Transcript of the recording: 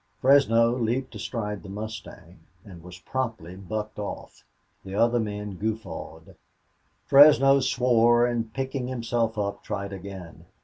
Fresno leaped astride the mustang, and was promptly bucked off. The other men guffawed. Fresno swore and, picking himself up, tried again.